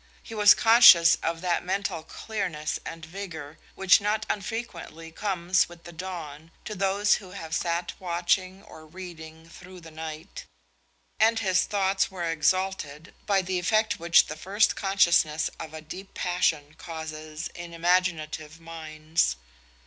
He was conscious of that mental clearness and vigour which not unfrequently comes with the dawn to those who have sat watching or reading through the night: and his thoughts were exalted by the effect which the first consciousness of a deep passion causes in imaginative minds.